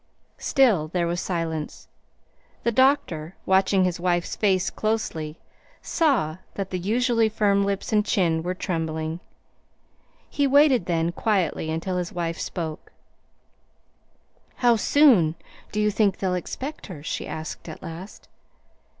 Still there was silence. The doctor, watching his wife's face closely, saw that the usually firm lips and chin were trembling. He waited then quietly until his wife spoke. "How soon do you think they'll expect her?" she asked at last.